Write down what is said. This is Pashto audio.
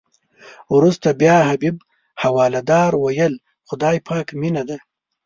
وروسته بیا حبیب حوالدار ویل خدای پاک مینه ده.